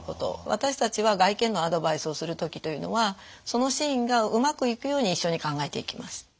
私たちは外見のアドバイスをする時というのはそのシーンがうまくいくように一緒に考えていきます。